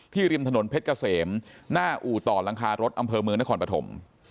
ริมถนนเพชรเกษมหน้าอู่ต่อหลังคารถอำเภอเมืองนครปฐม